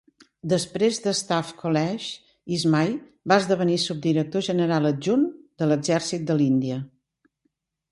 Després de Staff College, Ismay va esdevenir subdirector general adjunt de l'Exèrcit de l'Índia.